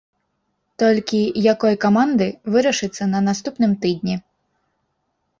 Толькі якой каманды, вырашыцца на наступным тыдні.